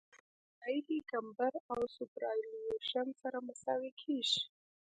په ګولایي کې کمبر او سوپرایلیویشن سره مساوي کیږي